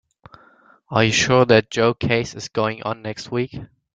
Are you sure that Joe case is going on next week?